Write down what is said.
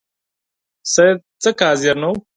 سید ځکه حاضر نه وو.